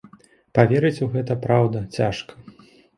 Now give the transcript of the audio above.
Паверыць у гэта, праўда, цяжка.